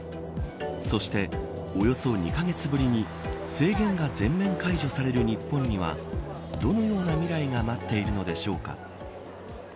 そして、およそ２カ月ぶりに制限が全面解除される日本にはどのような未来が待っているのでしょうか。